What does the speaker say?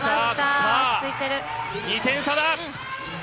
さあ、２点差だ。